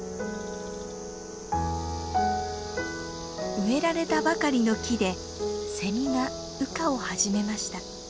植えられたばかりの木でセミが羽化を始めました。